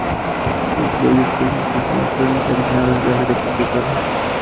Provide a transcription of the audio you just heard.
Incluye especies, que son perennes y originarias de África tropical.